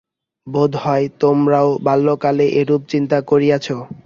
বোধ হয় তোমরাও বাল্যকালে এরূপ চিন্তা করিয়াছ।